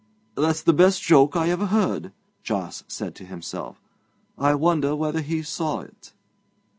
'That's the best joke I ever heard,' Jos said to himself 'I wonder whether he saw it.'